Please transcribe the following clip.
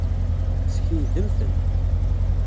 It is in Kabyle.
Skeydem-ten.